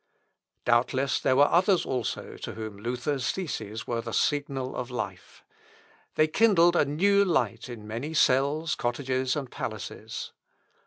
Doubtless, there were others also to whom Luther's theses were the signal of life. They kindled a new light in many cells, cottages, and palaces.